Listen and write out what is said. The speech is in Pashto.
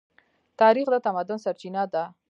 تاریخ د تمدن سرچینه ده.